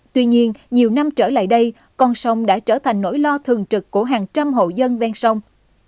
tuy nhiên nhiều năm trở lại đây con sông đã trở thành nỗi lo thường trực của hàng trăm hộ dân ven sông